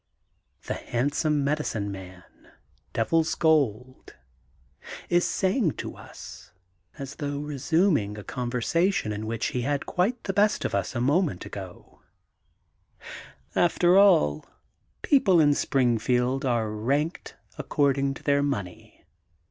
The Handsome Medicine Man, Devil's Gold, is saying to us, as though resuming a conversation in which he had quite the best of us a moment ago: After all, people are ranked in Spring field according to their money.